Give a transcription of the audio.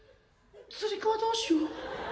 つり革どうしよう